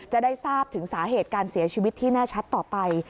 จะได้ทราบถึงสาเหตุการเสียชีวิตที่แน่ชัดต่อไป